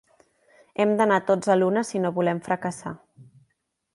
Hem d'anar tots a l'una, si no volem fracassar.